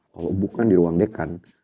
kalau bukan di ruang dekan